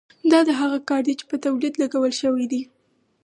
دا هغه کار دی چې په تولید لګول شوی دی